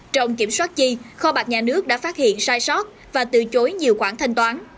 trong kiểm soát chi kho bạc nhà nước đã phát hiện sai sót và từ chối nhiều quản thanh toán